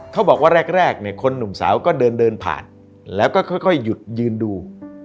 เขาบอกว่าแรกเนี่ยคนหนุ่มสาวก็เดินผ่านแล้วก็ค่อยหยุดยืนดู